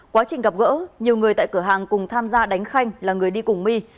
quá trình gặp gỡ nhiều người tại cửa hàng cùng tham gia đánh khanh là người đi cùng my